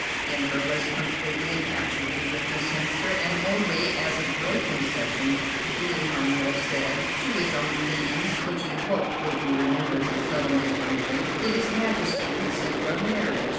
The Emperor was completely infatuated with Miss Hemster, and only as a great concession, due, Hun Woe said, to his own pleadings, which he hoped would be remembered when settlements were made, did his Majesty consent to a marriage.